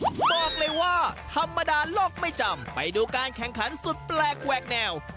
บอกเลยว่าธรรมดาโลกไม่จำไปดูการแข่งขันสุดแปลกแหวกแนว